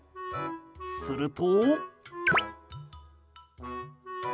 すると。